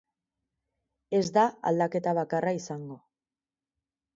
Ez da aldaketa bakarra izango.